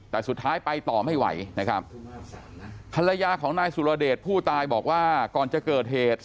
แต่สุดท้ายไปต่อไม่ไหวนะครับภรรยาของนายสุรเดชผู้ตายบอกว่าก่อนจะเกิดเหตุ